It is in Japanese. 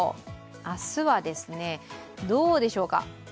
明日は、どうでしょうか。